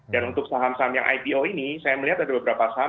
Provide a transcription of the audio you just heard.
dan untuk saham saham yang ipo ini saya melihat ada beberapa saham